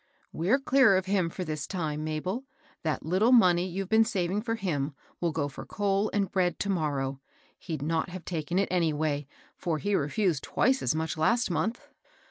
*< We're clear of him for this time, Mabel I That little money you've been saving for him will go for coal and bread to morrow. He'd not have taken it anyhow; for he refosed twice as much last month."